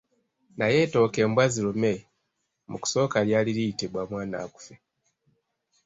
Naye ettooke mbwazirume mu kusooka lyali liyitibwa mwanaakufe.